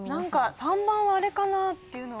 ３番はあれかなっていうの。